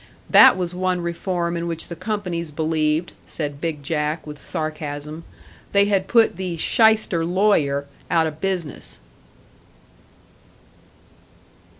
That was one reform in which the companies believed, said "Big Jack," with sarcasm; they had put the "shyster lawyer" out of business!